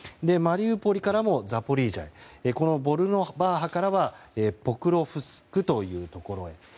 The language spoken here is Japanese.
マリウポリからもザポリージャにボルノバーハからはポクロフスクというところへ。